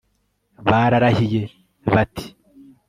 bararahiye, bati